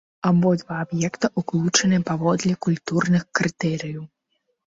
Абодва аб'екта ўключаны паводле культурных крытэрыяў.